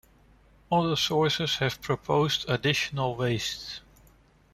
Other sources have proposed additional wastes.